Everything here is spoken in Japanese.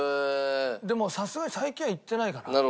でもさすがに最近は行ってないかな。